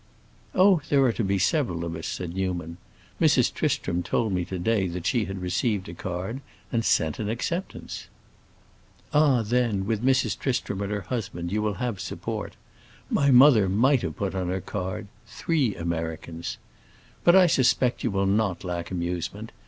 '" "Oh, there are to be several of us," said Newman. "Mrs. Tristram told me to day that she had received a card and sent an acceptance." "Ah, then, with Mrs. Tristram and her husband you will have support. My mother might have put on her card 'Three Americans.' But I suspect you will not lack amusement.